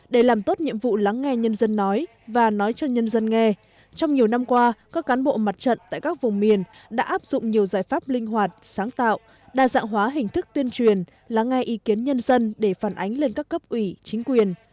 để làm tốt nhiệm vụ lắng nghe nhân dân nói và nói cho nhân dân nghe trong nhiều năm qua các cán bộ mặt trận tại các vùng miền đã áp dụng nhiều giải pháp linh hoạt sáng tạo đa dạng hóa hình thức tuyên truyền lắng nghe ý kiến nhân dân để phản ánh lên các cấp ủy chính quyền